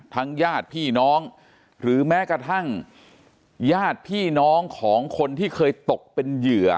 ญาติพี่น้องหรือแม้กระทั่งญาติพี่น้องของคนที่เคยตกเป็นเหยื่อ